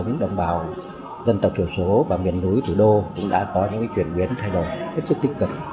những đồng bào dân tộc thiểu số và miền núi thủ đô cũng đã có những chuyển biến thay đổi hết sức tích cực